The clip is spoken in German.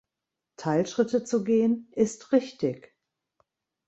Teilschritte zu gehen, ist richtig.